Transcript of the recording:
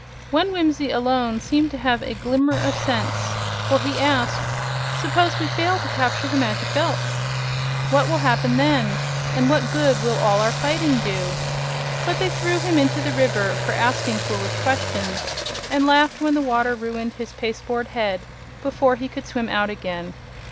One Whimsie alone seemed to have a glimmer of sense, for he asked: "Suppose we fail to capture the Magic Belt? What will happen then, and what good will all our fighting do?" But they threw him into the river for asking foolish questions, and laughed when the water ruined his pasteboard head before he could swim out again.